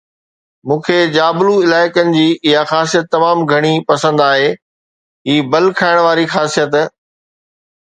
مون کي جابلو علائقن جي اها خاصيت تمام گهڻي پسند آهي، هي بل کائڻ واري خاصيت